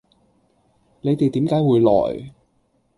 你哋點解會來